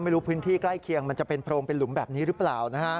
พื้นที่ใกล้เคียงมันจะเป็นโพรงเป็นหลุมแบบนี้หรือเปล่านะฮะ